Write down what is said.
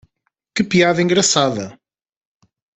Que piada engraçada